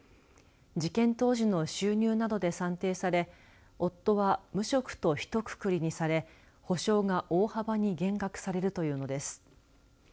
事件当時の収入などで算定され夫は無職とひとくくりにされ補償が大幅に減額されるというのです。